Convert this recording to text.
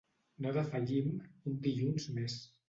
No defallim, un dilluns més.